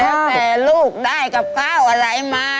แล้วแต่ลูกได้กับข้าวอะไรมา